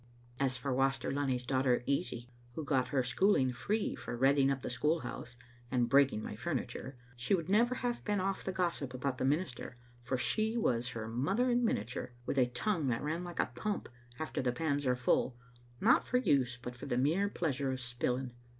As for Waster Lunny's daughter Easie, who got her schooling free for redding up the school house and breaking my furniture, she would never have been off the gossip about the minister, for she was her mother in miniature, with a tongue that ran like a pump after the pans are full, not for use but for the mere pleasure of spilling.